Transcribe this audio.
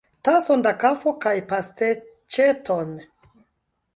Tason da kafo kaj pasteĉeton!